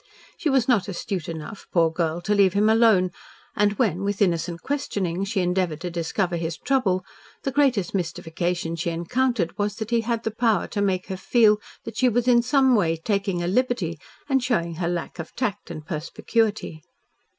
She was not astute enough, poor girl, to leave him alone, and when with innocent questionings she endeavoured to discover his trouble, the greatest mystification she encountered was that he had the power to make her feel that she was in some way taking a liberty, and showing her lack of tact and perspicuity.